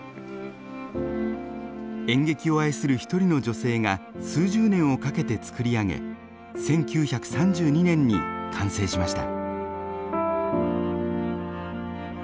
演劇を愛する一人の女性が数十年をかけてつくり上げ１９３２年に完成しました。